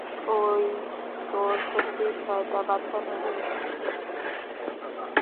ওই, তোর সত্যি ছয়টা বাচ্চা নিবি?